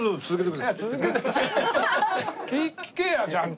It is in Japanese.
聞けよちゃんと。